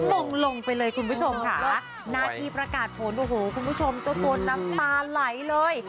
มงลงไปเลยคุณผู้ชมค่ะหน้าที่ประกาศผลโอ้โหคุณผู้ชมเจ้าตัวน้ำตาไหลเลย